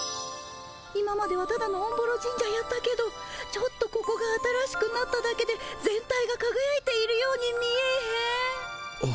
今まではただのおんぼろ神社やったけどちょっとここが新しくなっただけで全体がかがやいているように見えへん？